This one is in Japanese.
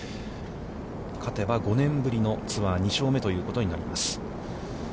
勝てば５年ぶりのツアー２勝目ということになります。